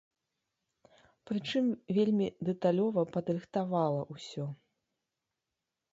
Прычым вельмі дэталёва падрыхтавала ўсё.